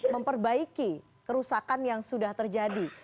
memperbaiki kerusakan yang sudah terjadi